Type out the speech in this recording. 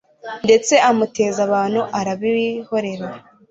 ndetse amuteza abantu arabihorera